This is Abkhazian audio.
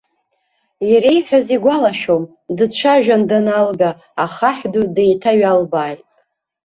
Иреиҳәаз игәалашәом, дцәажәан даналга, ахаҳә ду деиҭаҩалбааит.